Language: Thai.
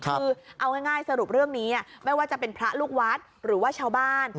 คือเอาง่ายสรุปเรื่องนี้ไม่ว่าจะเป็นพระลูกวัดหรือว่าชาวบ้าน